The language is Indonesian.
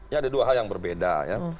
ya ada dua hal yang berbeda ya